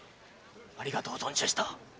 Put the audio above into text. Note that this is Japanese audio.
ありがとう存じました。